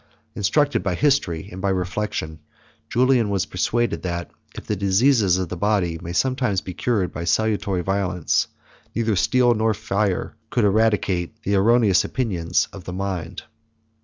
Instructed by history and reflection, Julian was persuaded, that if the diseases of the body may sometimes be cured by salutary violence, neither steel nor fire can eradicate the erroneous opinions of the mind.